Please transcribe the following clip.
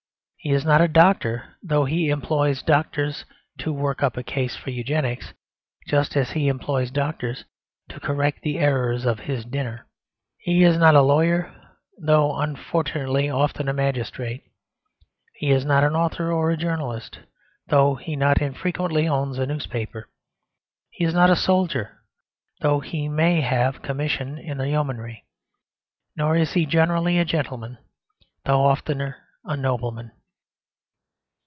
He is not a doctor; though he employs doctors to work up a case for Eugenics, just as he employs doctors to correct the errors of his dinner. He is not a lawyer, though unfortunately often a magistrate. He is not an author or a journalist; though he not infrequently owns a newspaper. He is not a soldier, though he may have a commission in the yeomanry; nor is he generally a gentleman, though often a nobleman.